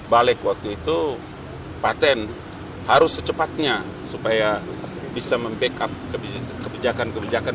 balik waktu itu patent harus secepatnya supaya bisa membackup kebijakan kebijakan